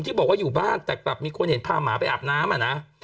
บอกว่าอยู่บ้านแต่กลับมีคนเห็นพาหมาไปอาบน้ำอ่ะนะ